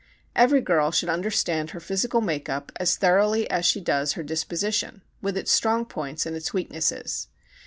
Every girl should understand her physical make up as thoroughly as she does her disposition, with its strong points and its weaknesses.